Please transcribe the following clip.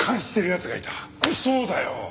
そうだよ！